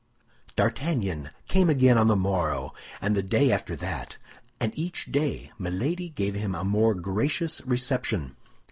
D'Artagnan came again on the morrow and the day after that, and each day Milady gave him a more gracious reception.